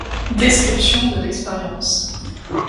Description de l'expérience.